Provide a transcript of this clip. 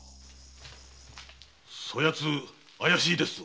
そやつ怪しいですぞ！